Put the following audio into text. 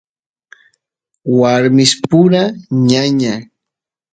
warmispura ñaña